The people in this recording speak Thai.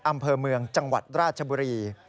อำเภอเมืองจังหวัดราชบุรี